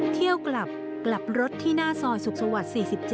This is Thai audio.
เที่ยวกลับกลับรถที่หน้าซอยสุขสวรรค์๔๗